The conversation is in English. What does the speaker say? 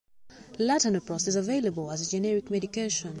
Latanoprost is available as a generic medication.